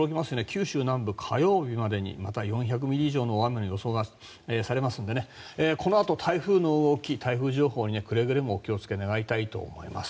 九州南部、火曜日までにまた４００ミリ以上の大雨の予想がされますのでこのあと台風の動き、台風情報にくれぐれもお気を付け願いたいと思います。